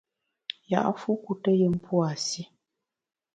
Ya’fu kuteyùm pua’ si.